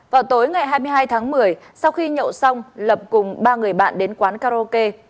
vào tối ngày hai mươi hai tháng một mươi sau khi nhậu xong lập cùng ba người bạn đến quán karaoke